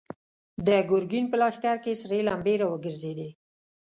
د ګرګين په لښکر کې سرې لمبې را وګرځېدې.